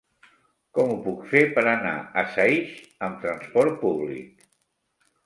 Com ho puc fer per anar a Saix amb transport públic?